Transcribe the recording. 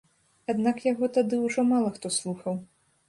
Аднак яго тады ўжо мала хто слухаў.